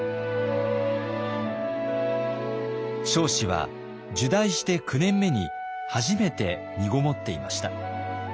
彰子は入内して９年目に初めてみごもっていました。